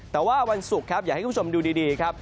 แต่ว่าวันศุกร์ครับอยากให้คุณผู้ชมดูดีครับ